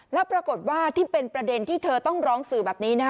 แล้วปรากฏว่าที่เป็นประเด็นที่เธอต้องร้องสื่อแบบนี้นะฮะ